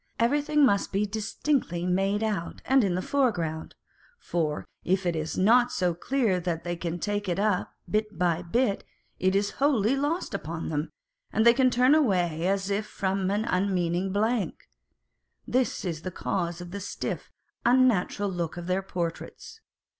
Everything must be dis tinctly made out and in the foreground ; for if it is not so clear that they can take it up bit by bit, it is wholly lost upon them, and they turn away as from an unmeaning blank. This is the cause of the stiff, unnatural look of their portraits.